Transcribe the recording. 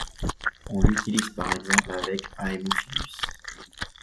On l'utilise par exemple avec Haemophilus.